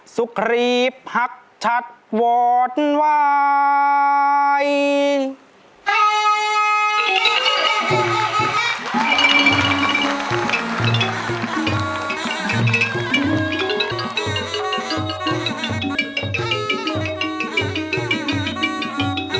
สุครีมพักชัดวอนวาย